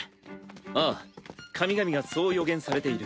ああ神々がそう予言されている。